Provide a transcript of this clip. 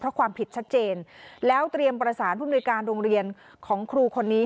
เพราะความผิดชัดเจนแล้วเตรียมประสานผู้มนุยการโรงเรียนของครูคนนี้